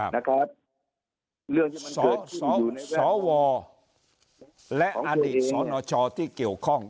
สคสวและอสชที่เกี่ยวข้อง